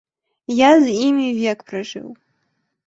Я з імі век пражыў.